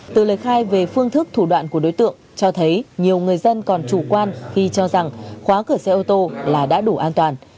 từ lời khai về phương thức thủ đoạn của đối tượng cho thấy nhiều người dân còn chủ quan khi cho rằng khóa cửa xe ô tô là đã đủ an toàn